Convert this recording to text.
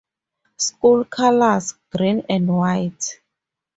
School colors: green and white.